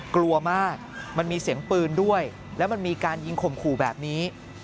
กลัวมากมันมีเสียงปืนด้วยแล้วมันมีการยิงข่มขู่แบบนี้